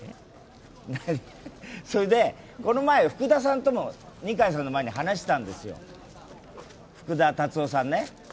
それでこの前、福田さんとも二階さんの前に話したんですよ、福田達夫さんね。